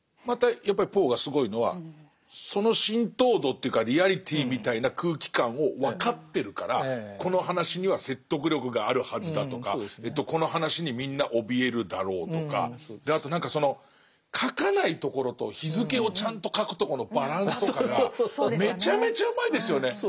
またやっぱりポーがすごいのはその浸透度というかリアリティーみたいな空気感を分かってるからこの話には説得力があるはずだとかこの話にみんなおびえるだろうとかあと何かその書かないところと日付をちゃんと書くとこのバランスとかがめちゃめちゃうまいですよね。